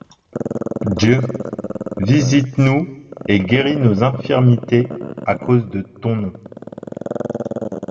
Dieu, Visites-nous et guéris nos infirmités à cause de Ton Nom.